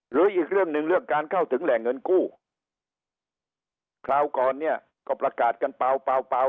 หรืออีกเรื่องหนึ่งเรื่องการเข้าถึงแหล่งเงินกู้คราวก่อนเนี่ยก็ประกาศกันเปล่าเปล่าเปล่า